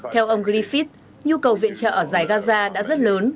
theo ông griffith nhu cầu viện trợ ở giải gaza đã rất lớn